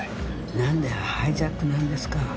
なんでハイジャックなんですか？